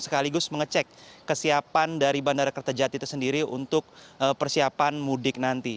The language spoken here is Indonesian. sekaligus mengecek kesiapan dari bandara kertajati itu sendiri untuk persiapan mudik nanti